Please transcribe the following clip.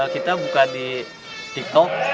kita buka di tiktok